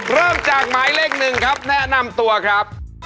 เริ่มจากหมายเลขหนึ่งครับแนะนำตัวครับ